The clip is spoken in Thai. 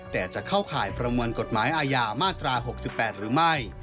แต่จะเข้าข่ายประมวลกฎหมายอาญามาตรา๖๘หรือไม่